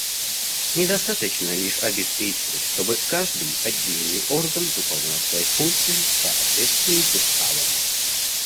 Недостаточно лишь обеспечивать, чтобы каждый отдельный орган выполнял свои функции в соответствии с Уставом.